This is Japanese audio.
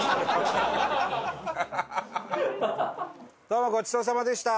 どうもごちそうさまでした。